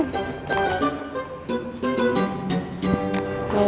ya udah deh bu